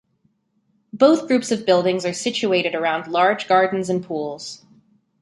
Both groups of buildings are situated around large gardens and pools.